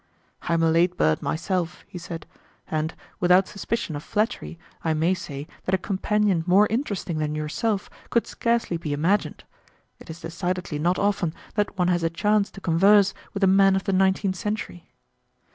"I am a late bird, myself," he said, "and, without suspicion of flattery, I may say that a companion more interesting than yourself could scarcely be imagined. It is decidedly not often that one has a chance to converse with a man of the nineteenth century."